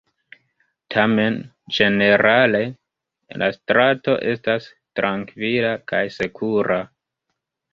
Tamen ĝenerale la strato estas trankvila kaj sekura.